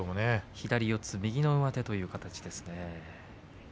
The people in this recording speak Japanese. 左四つ右の上手という形ですね。